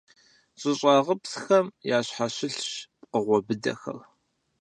ЩӀыщӀагъыпсхэм ящхьэщылъщ пкъыгъуэ быдэхэр.